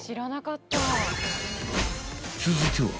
［続いては］